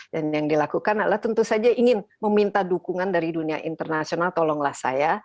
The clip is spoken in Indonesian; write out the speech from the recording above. dan yang dilakukan adalah tentu saja ingin meminta dukungan dari dunia internasional tolonglah saya